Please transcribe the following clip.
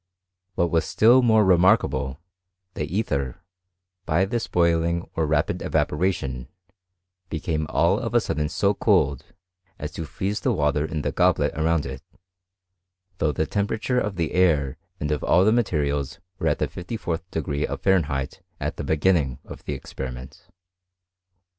What was still more remarkable, the ether, by this boiling or rapid evaporation, became all of a sudden so cold, as to freeze the water in the goblet around it ; though the temperature of the air and of all the materials were at the fifty fourth degree of Fahren heit at the beginning of the experiment.